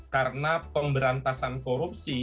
karena pemberantasan korupsi